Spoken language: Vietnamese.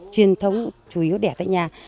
truyền thống chủ yếu đẻ tại nhà